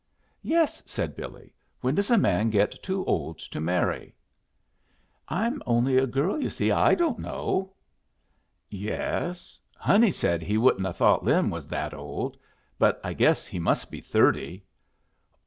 "Yes," said Billy. "When does a man get too old to marry?" "I'm only a girl, you see. I don't know." "Yes. Honey said he wouldn't 'a' thought Lin was that old. But I guess he must be thirty."